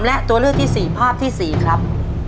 และตัวเลือกที่๔ภาพที่๔ครับ